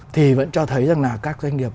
thì vẫn cho thấy rằng là các doanh nghiệp